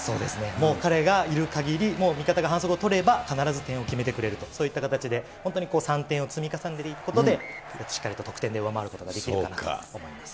もう彼がいるかぎり、もう味方が反則を取れば必ず得点を決めてくれるという、そういった形で、本当に３点を積み重ねていくということで、しっかりと得点で上回ることができるかなと思います。